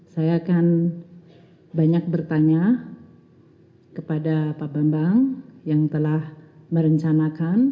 saya akan banyak bertanya kepada pak bambang yang telah merencanakan